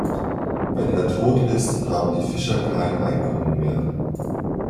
Wenn er tot ist, haben die Fischer kein Einkommen mehr.